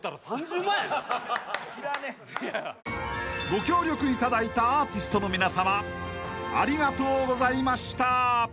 ［ご協力いただいたアーティストの皆さまありがとうございました］